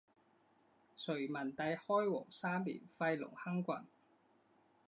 隋文帝开皇三年废龙亢郡。